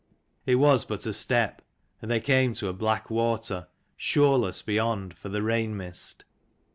It was but a step, and they came to a black water, shoreless, beyond, for the rain mist.